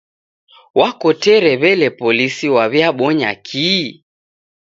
W'akotere w'ele polisi w'awiabonya kii?